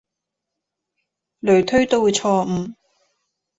類推都會錯誤